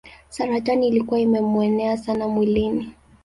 Saratani ilikuwa imemuenea sana mwilini.